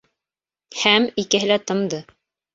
Һәм икеһе лә тымды.